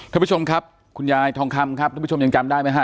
ท่านผู้ชมครับคุณยายทองคำครับทุกผู้ชมยังจำได้ไหมฮะ